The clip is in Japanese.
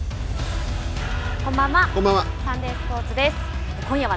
こんばんは。